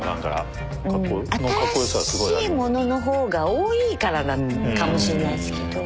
うん新しいもののほうが多いからなのかもしれないですけど。